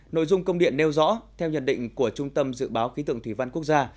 nội dung công điện nêu rõ theo nhận định của trung tâm dự báo khí tượng thủy văn quốc gia